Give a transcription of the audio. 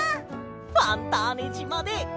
ファンターネじまで。